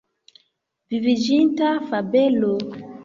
Viviĝinta fabelo.